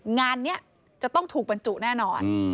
งานนี้จะต้องถูกบรรจุแน่นอน